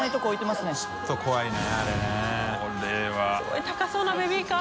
すごい高そうなベビーカー。